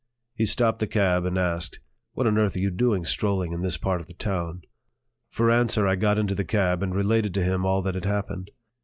He stopped the cab and asked: "What on earth are you doing strolling in this part of the town?" For answer I got into the cab and related to him all that had happened.